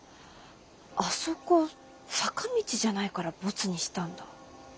「あそこ」「坂道」じゃないからボツにしたんだ。